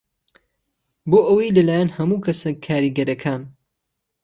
بۆ ئهوهی لهلایهن ههموو کهسه کاریگهرهکان